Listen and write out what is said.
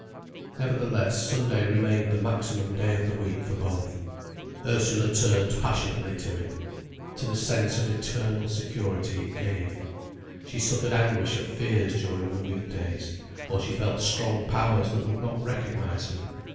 Nevertheless Sunday remained the maximum day of the week for both. Ursula turned passionately to it, to the sense of eternal security it gave. She suffered anguish of fears during the week days, for she felt strong powers that would not recognize her.